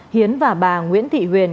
hiến và bà nguyễn thị huyền